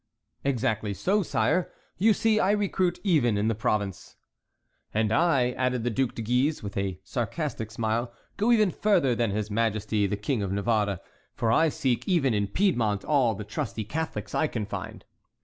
"Exactly so, sire; you see I recruit even in Provence." "And I," added the Duc de Guise, with a sarcastic smile, "go even further than his majesty the King of Navarre, for I seek even in Piedmont all the trusty Catholics I can find."